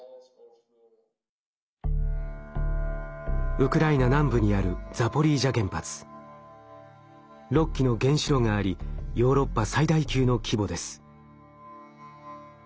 ウクライナ南部にある６基の原子炉がありヨーロッパ最大級の規模です。